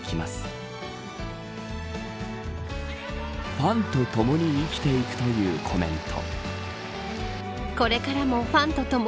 ファンとともに生きていくというコメント。